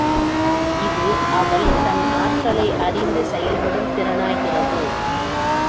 இது அவள் தன் ஆற்றலை அறிந்து செயல்படும் திறனாகிறது.